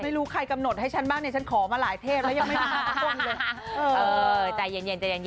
ไม่รู้ใครกำหนดให้ฉันบ้างเนี่ยฉันขอมาหลายเทพแล้วยังไม่มาสักต้นเลย